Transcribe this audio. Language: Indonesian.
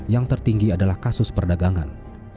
yang tertinggi adalah kasus perdagangan